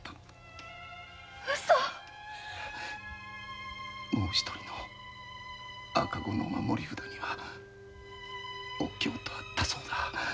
うそもう一人の赤子の守り札にはお京とあったそうだ。